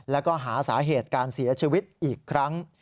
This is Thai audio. แล้วก็หาสาเหตุการเสียชีวิตอีกครั้ง